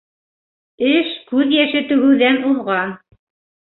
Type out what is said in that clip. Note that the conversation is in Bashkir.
Әш күҙ йәше түгеүҙән уҙған.